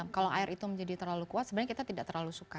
kalau air itu menjadi terlalu kuat sebenarnya kita tidak terlalu suka